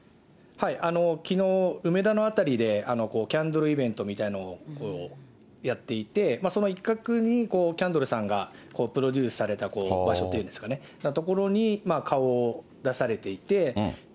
きのう、梅田の辺りでキャンドルイベントみたいなのをやっていて、その一角にキャンドルさんがプロデュースされた場所というんですかね、というところに顔を出されていて。